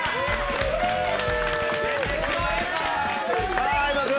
さあ相葉君。